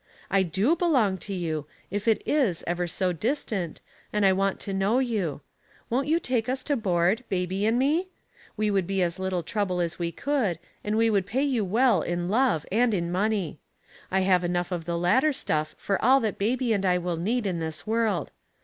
I do belong to you, if it is ever so distant, and I want to know you. Won't you take us to board, baby and me ? We would be as little trouble as we could, and we would pay you well in love and in money. I have enough of the latter stuff for all that baby and 1 will need in this world.